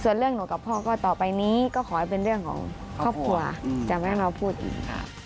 ส่วนเรื่องหนูกับพ่อก็ต่อไปนี้ก็ขอให้เป็นเรื่องของครอบครัวจะไม่มาพูดอีกค่ะ